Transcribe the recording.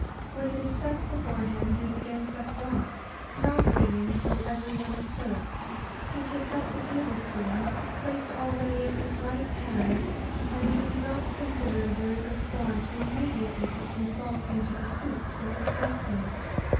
When it is set before him he begins at once, not waiting till every one is served. [Sidenote: Taste before salting.] He takes up the tablespoon, placed ready at his right hand, and it is not considered very good form to immediately put some salt into the soup before tasting it.